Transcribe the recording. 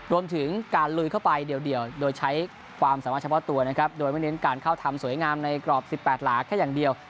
รวมถึงการลุยเข้าไปเดี่ยวโดยใช้ความสามารถเฉพาะตัวนะครับโดยไม่เน้นการเข้าทำสวยงามในกรอบ๑๘หลาแค่อย่างเดียว